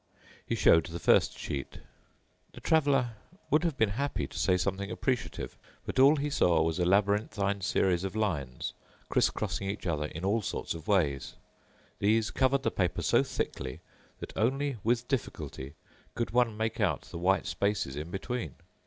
He showed the first sheet. The Traveler would have been happy to say something appreciative, but all he saw was a labyrinthine series of lines, criss crossing each other in all sort of ways. These covered the paper so thickly that only with difficulty could one make out the white spaces in between.